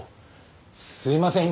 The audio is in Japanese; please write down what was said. すいません。